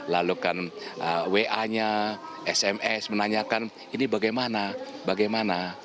lalu kan wa nya sms menanyakan ini bagaimana bagaimana